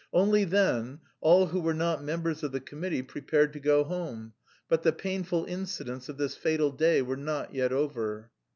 Only then, all who were not members of the committee prepared to go home; but the painful incidents of this fatal day were not yet over.